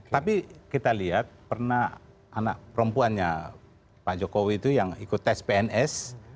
tapi kita lihat pernah anak perempuannya pak jokowi itu yang ikut tes pns